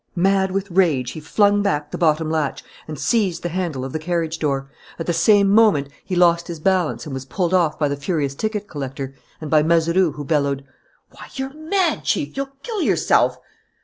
Mad with rage he flung back the bottom latch and seized the handle of the carriage door. At the same moment he lost his balance and was pulled off by the furious ticket collector and by Mazeroux, who bellowed: "Why, you're mad, Chief! you'll kill yourself!"